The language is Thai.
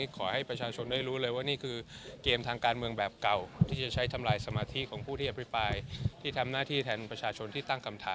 การการเรียนพักทั้งของชาญชุมการจบความใย